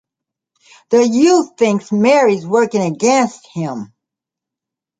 The youth thinks Mary working against him.